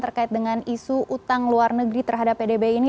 terkait dengan isu utang luar negeri terhadap pdb ini